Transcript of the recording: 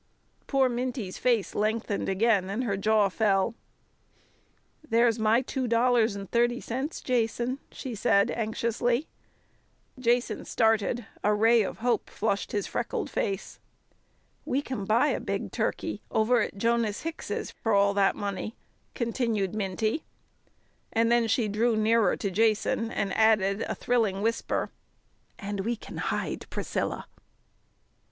Poor Minty's face lengthened again, and her jaw fell. "There's my two dollars and thirty cents, Jason," she said anxiously. Jason started; a ray of hope flushed his freckled face. "We can buy a big turkey over at Jonas Hicks's for all that money," continued Minty. And then she drew nearer to Jason, and added a thrilling whisper, "And we can hide Priscilla!"